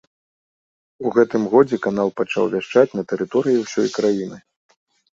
У гэтым годзе канал пачаў вяшчаць на тэрыторыі ўсёй краіны.